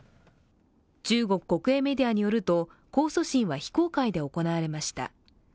中国国営メディアによると控訴審は非公開で行われました。